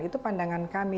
itu pandangan kami